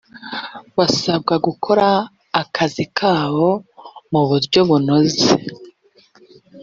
basabwa gukora akazi kabo mu buryo bunoze